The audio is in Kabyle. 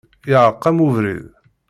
Iεreq-am ubrid?